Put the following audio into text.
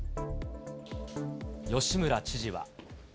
吉村知事は。